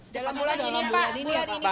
dalam bulan ini ya pak